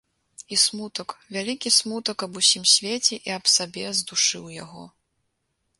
І смутак, вялікі смутак аб усім свеце і аб сабе здушыў яго.